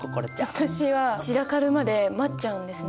私は散らかるまで待っちゃうんですね。